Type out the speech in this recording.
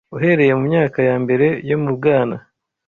Uhereye mu myaka ya mbere yo mu bwana